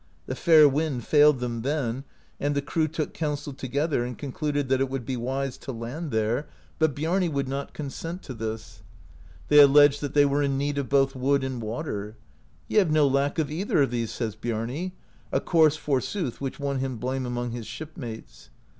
The fair wind failed them then, and the crew took counsel to gether, and concluded that it would be wise to land there, 78 BIARN! SIGHTS THE NEW WORLD bat Biarni would not consent to this. They alleged that they were in need of both wood and water. "Ye have no lack of either of these/ says Biarni — a course, for sooth, which won him blame among his shipmates.